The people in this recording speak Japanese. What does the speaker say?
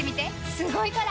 すごいから！